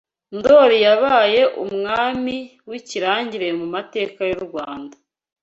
Ndoli yabaye umwami w’ikirangirire mu mateka y’ u Rwanda